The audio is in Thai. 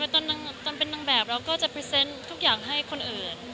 ตอนเป็นนางแบบเราก็จะพรีเซนต์ทุกอย่างให้คนอื่น